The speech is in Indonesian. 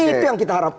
itu yang kita harapkan